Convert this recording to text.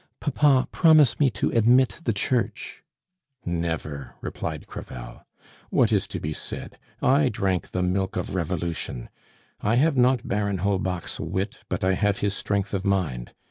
"Papa, promise me to admit the Church " "Never," replied Crevel. "What is to be said? I drank the milk of Revolution; I have not Baron Holbach's wit, but I have his strength of mind.